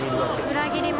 裏切り者